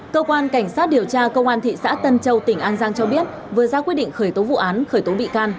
cơ quan cảnh sát điều tra công an tp hcm tỉnh an giang cho biết vừa ra quyết định khởi tố vụ án khởi tố bị can